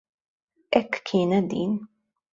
Hekk kienet din.